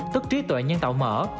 tức trí tuệ nhân tạo mở